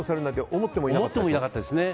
思ってもいなかったです。